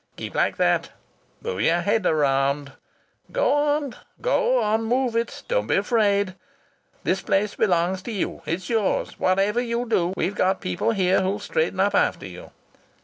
Keep like that. Move your head round. Go on! Go on! Move it. Don't be afraid. This place belongs to you. It's yours. Whatever you do, we've got people here who'll straighten up after you....